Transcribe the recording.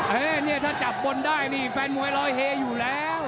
เออเนี่ยถ้าจับบนได้นี่แฟนมวยรอเฮอยู่แล้ว